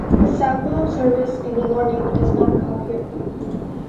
The southbound service in the morning does not call here.